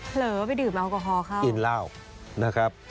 เผลอไปดื่มแอลกอฮอลค่ะกินเหล้านะครับ